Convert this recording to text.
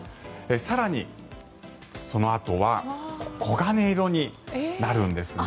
更にそのあとは黄金色になるんですね。